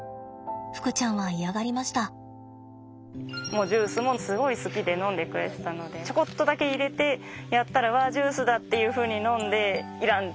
もうジュースもすごい好きで飲んでくれてたのでちょこっとだけ入れてやったら「わあジュースだ！」っていうふうに飲んで要らん。